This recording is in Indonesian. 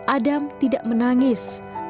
adam tidak menangis